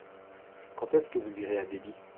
Quand est-ce que vous irez à Delhi ?